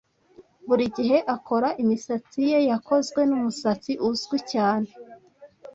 Buri gihe akora imisatsi ye yakozwe numusatsi uzwi cyane.